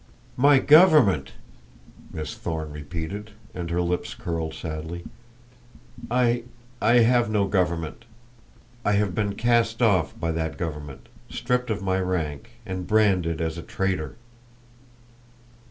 "My government!" Miss Thorne repeated, and her lips curled sadly. "I I have no government. I have been cast off by that government, stripped of my rank, and branded as a traitor!"